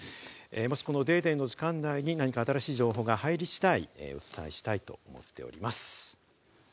もしこの『ＤａｙＤａｙ．』の時間内に新しい情報が入り次第、またお伝えしたいと思っております。